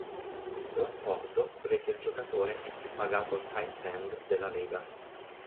L'accordo rese il giocatore il più pagato tight end della lega.